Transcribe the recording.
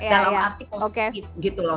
dalam arti positif gitu loh